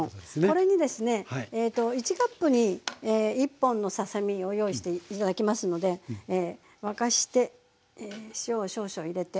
これにですね１カップに１本のささ身を用意して頂きますので沸かして塩を少々入れて。